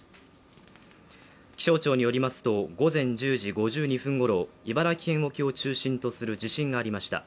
気象庁によりますと、午前１０時５２分頃、茨城県沖を中心とする地震がありました。